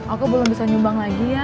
aku belum bisa nyumbang lagi ya